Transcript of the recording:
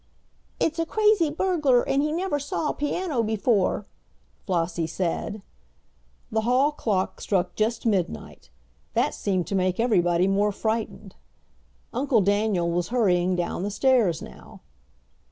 "It's a crazy burglar, and he never saw a piano before," Flossie said. The hall clock just struck midnight. That seemed to make everybody more frightened. Uncle Daniel was hurrying down the stairs now.